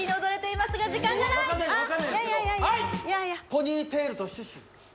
「ポニーテールとシュシュ」